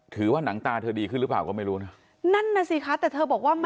หนังตาเธอดีขึ้นหรือเปล่าก็ไม่รู้นะนั่นน่ะสิคะแต่เธอบอกว่ามัน